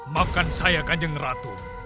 maafkan saya kanjeng ratu